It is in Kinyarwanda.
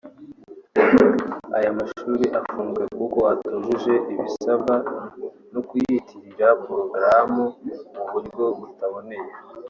Aya mashuri afunzwe kuko atujuje ibisabwa no kwiyitirira porogaramu mu buryo butaboneye